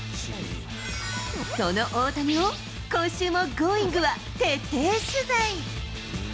その大谷を、今週もＧｏｉｎｇ！は、徹底取材。